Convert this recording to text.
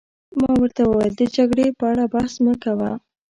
ما ورته وویل: د جګړې په اړه بحث مه کوه.